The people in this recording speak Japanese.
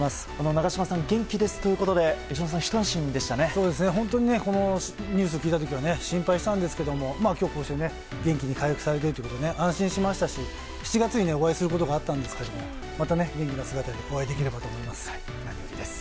長嶋さん、元気ですということで本当にこのニュースを聞いた時は心配したんですけども今日こうして元気に回復されているということで安心しましたし７月にお会いすることがあったんですがまた元気な姿でお会いできればと思います。